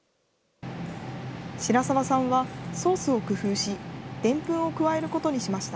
白澤さんはソースを工夫し、でんぷんを加えることにしました。